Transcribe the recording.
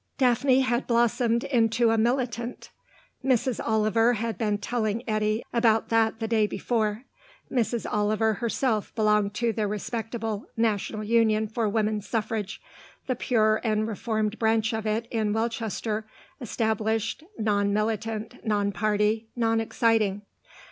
Daphne had blossomed into a militant. Mrs. Oliver had been telling Eddy about that the day before. Mrs. Oliver herself belonged to the respectable National Union for Women's Suffrage, the pure and reformed branch of it in Welchester established, non militant, non party, non exciting.